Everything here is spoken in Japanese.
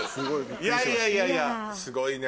いやいやいやいやすごいね。